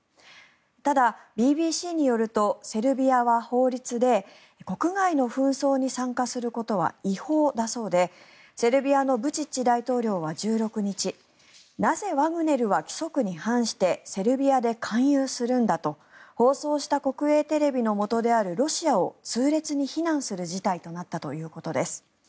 ただ、ＢＢＣによるとセルビアは法律で国外の紛争に参加することは違法だそうでセルビアのブチッチ大統領は１６日なぜワグネルは規則に反してセルビアで勧誘するんだと放送した国営テレビのもとであるロシアを痛烈に非難する事態となったということです。